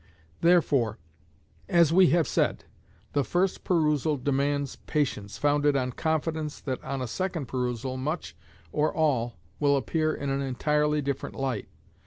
Therefore, as we have said, the first perusal demands patience, founded on confidence that on a second perusal much, or all, will appear in an entirely different light.